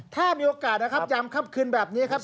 ถ้ามีโอกาสนะครับยามค่ำคืนแบบนี้ครับ